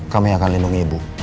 kami akan lindungi ibu